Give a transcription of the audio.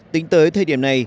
tính tới thời điểm này